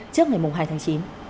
trước ngày hai tháng chín